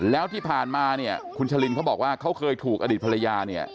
แล้วที่ผ่านมาเนี่ยคุณชะลินเขาบอกว่าเขาเคยถูกอดีตภรรยาเนี่ย